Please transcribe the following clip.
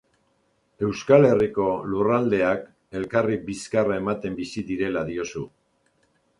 Euskal Herriko lurraldeak elkarri bizkarra ematen bizi direla diozu.